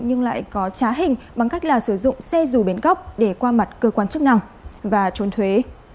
nhưng lại có trá hình bằng cách là sử dụng xe dù bến cóc để qua mặt cơ quan chức năng và trốn thuế